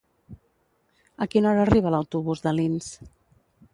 A quina hora arriba l'autobús d'Alins?